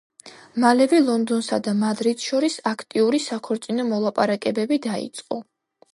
მალევე ლონდონსა და მადრიდს შორის აქტიური საქორწინო მოლაპარაკებები დაიწყო.